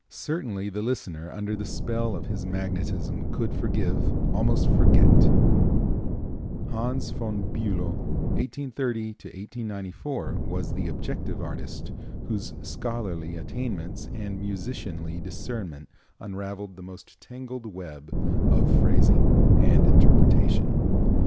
Certainly the listener under the spell of his magnetism could forgive, almost forget. Hans von Bülow (1830 1894) was the objective artist, whose scholarly attainments and musicianly discernment unraveled the most tangled web of phrasing and interpretation.